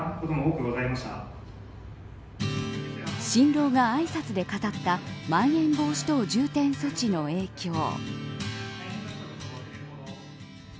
新郎があいさつで語ったまん延防止等重点措置の影響。